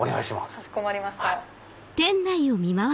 かしこまりました。